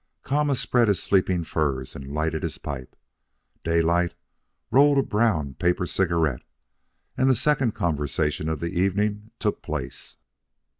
Kama spread his sleeping furs and lighted his pipe. Daylight rolled a brown paper cigarette, and the second conversation of the evening took place.